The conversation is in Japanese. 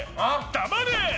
黙れ！